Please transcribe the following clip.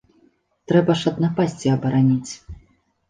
Трэба ж ад напасці абараніць.